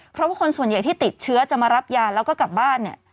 เพราะว่าคนส่วนใหญ่ที่ติดเชื้อจะมารับยาแล้วก็กลับบ้านเนี่ย